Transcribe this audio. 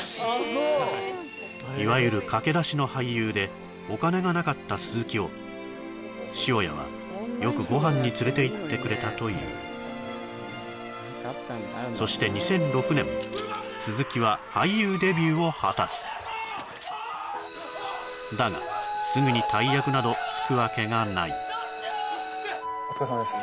そういわゆる駆け出しの俳優でお金がなかった鈴木を塩屋はよくご飯に連れていってくれたというそして２００６年鈴木は俳優デビューを果たすだがお疲れさまです